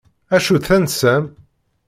Acu-tt tansa-m?